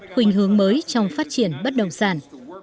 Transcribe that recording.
khuyên hướng mới trong phát triển bất động sản